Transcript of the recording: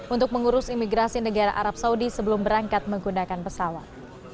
untuk mengurus imigrasi negara arab saudi sebelum berangkat menggunakan pesawat